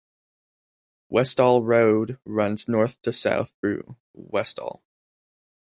Westall Road runs north to south through Westall.